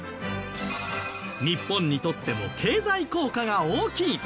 日本にとっても経済効果が大きい。